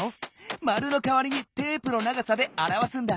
丸のかわりにテープの長さであらわすんだ。